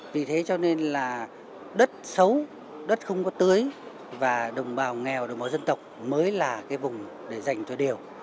vì thế cho nên là đất xấu đất không có tưới và đồng bào nghèo đồng bào dân tộc mới là cái vùng để dành cho điều